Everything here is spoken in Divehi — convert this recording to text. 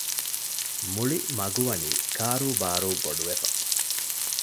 މުޅި މަގުވަނީ ކާރޫބާރޫ ބޮޑުވެފަ